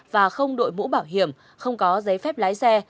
và không đội mũ bảo hiểm không có giấy phép lái xe